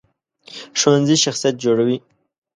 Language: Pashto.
ښوونځی شخصیت جوړوي